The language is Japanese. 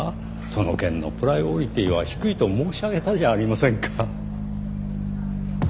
その件のプライオリティーは低いと申し上げたじゃありませんか。